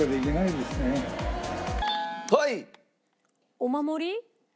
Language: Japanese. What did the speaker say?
お守り？